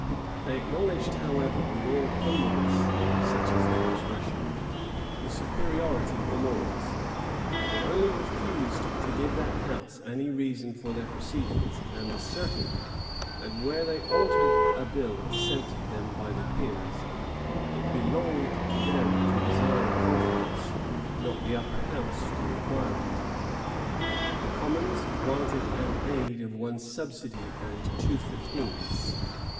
They acknowledged, however, with all humbleness, (such is their expression,) the superiority of the lords: they only refused to give that house any reason for their proceedings; and asserted, that where they altered a bill sent them by the peers, it belonged to them to desire a conference, not to the upper house to require it.[] * D'Ewes, p. 259. D'Ewes, p. 252. D'Ewes, p. 257. D'Ewes, p. 263. The commons granted an aid of one subsidy and two fifteenths.